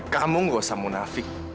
kamu gak usah munafik